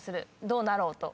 どうなろうと。